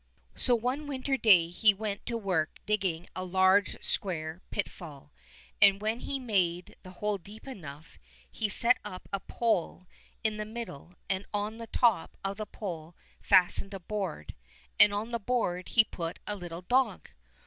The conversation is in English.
So one winter day he went to work digging a large square pitfall, and when he made the hole deep enough he set up a pole in the middle, and on the top of the pole fastened a board, and on the board he put a little dog.